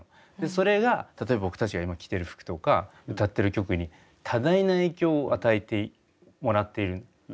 それが例えば僕たちが今着てる服とか歌ってる曲に多大な影響を与えてもらっている。